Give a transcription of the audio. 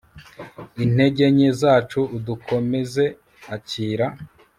intege nke zacu udukomeze, akira